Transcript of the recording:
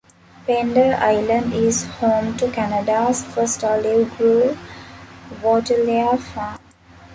Pender Island is home to Canada's first olive grove, Waterlea Farm.